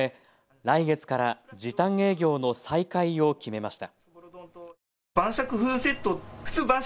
来月から時短営業の再開を決めました。